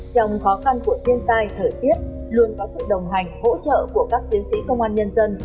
trong khó khăn của thiên tai thời tiết luôn có sự đồng hành hỗ trợ của các chiến sĩ công an nhân dân